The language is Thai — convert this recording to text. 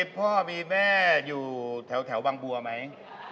พ่อมีแม่อยู่แถววังบัวไหม